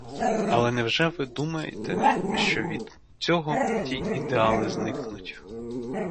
Але невже ви думаєте, що від цього ті ідеали зникнуть?